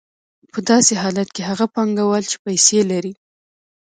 په داسې حالت کې هغه پانګوال چې پیسې لري